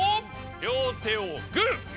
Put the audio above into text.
両手をグー。